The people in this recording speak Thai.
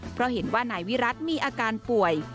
เพราะเห็นว่านายวิรัติมีอาการป่วย